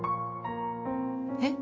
えっ？